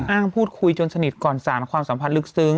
อ้างพูดคุยจนสนิทก่อนสารความสัมพันธ์ลึกซึ้ง